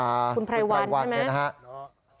คุณไพรวันใช่ไหม